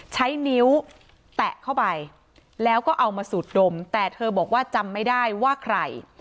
ใช้นิ้วแตะเข้าไปแล้วก็เอามาสูดดมแต่เธอบอกว่าจำไม่ได้ว่าใคร